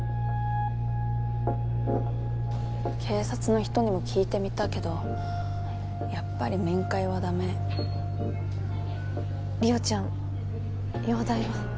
警察の人にも聞いてみたけどやっぱり面会はダメ莉桜ちゃん容体は？